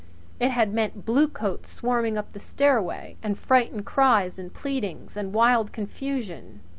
It had meant bluecoats swarming up the stairway, and frightened cries and pleadings, and wild confusion.